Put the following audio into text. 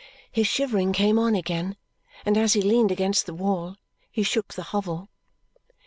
His shivering came on again, and as he leaned against the wall, he shook the hovel.